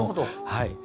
はい。